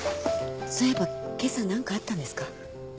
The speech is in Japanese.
そういえばけさ何かあったんですか？